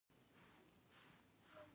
همداسې یو دم یې موټر ته ګیر ورکړ.